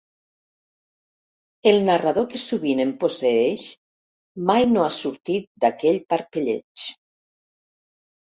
El narrador que sovint em posseeix mai no ha sortit d'aquell parpelleig.